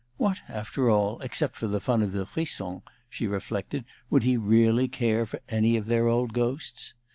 "What, after all, except for the fun of the frisson," she reflected, "would he really care for any of their old ghosts?"